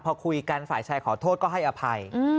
พอคุยกันฝ่ายชายขอโทษก็ให้อภัย